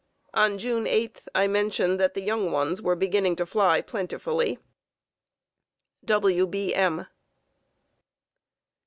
On June 11 I mention that the young ones were beginning to fly plentifully. W. B. M.